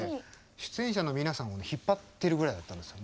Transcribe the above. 出演者の皆さんを引っ張ってるぐらいだったんですよ